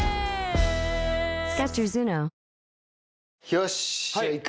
よし。